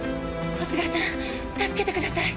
十津川さん助けてください！